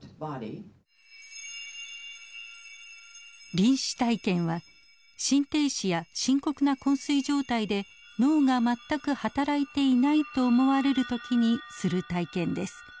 臨死体験は心停止や深刻な昏睡状態で脳が全く働いていないと思われる時にする体験です。